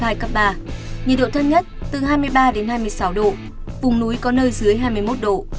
nhiệt độ thấp nhất từ hai mươi ba đến hai mươi sáu độ vùng núi có nơi dưới hai mươi một độ